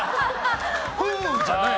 フー！じゃない。